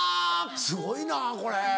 すごいなこれ。